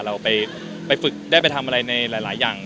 เราไปฝึกได้ไปทำอะไรในหลายอย่าง